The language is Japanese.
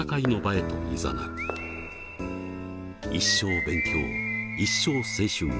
「一生勉強一生青春」。